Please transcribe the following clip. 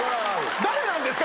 誰なんですか？